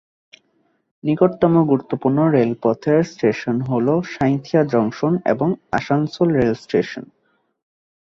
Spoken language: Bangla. নিকটতম গুরুত্বপূর্ণ রেলপথের স্টেশন হল সাঁইথিয়া জংশন এবং আসানসোল রেল স্টেশন।